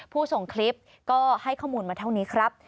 ผู้ส่งคลิปก็ให้ข้อมูลมาเท่านี้ครับ